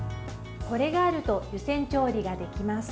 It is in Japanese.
これがあると湯煎調理ができます。